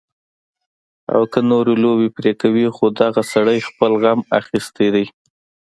او کۀ نورې لوبې پرې کوي خو دغه سړے خپل غم اخستے وي